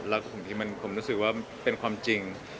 แล้วผมรู้สึกว่าเป็นความจริง